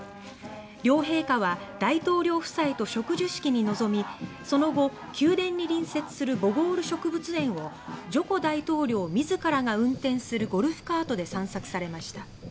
両陛下は大統領夫妻と植樹式に臨みその後、宮殿に隣接するボゴール植物園をジョコ大統領自らが運転するゴルフカートで散策されました。